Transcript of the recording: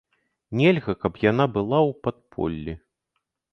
Нельга, каб яна была ў падполлі.